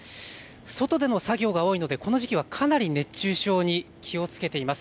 外での作業が多いのでこの時期はかなり熱中症に気をつけています。